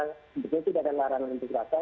sebetulnya tidak ada larangan unjuk rasa